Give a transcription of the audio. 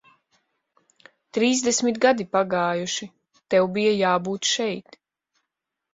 Trīsdesmit gadi pagājuši, tev bija jābūt šeit.